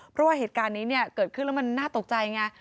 เพราะว่าเหตุการณ์นี้เนี่ยเกิดขึ้นแล้วมันน่าตกใจไง